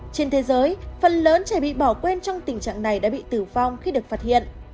trên thế giới phần lớn trẻ bị bỏ quên trong tình trạng này đã bị tử vong khi được phát hiện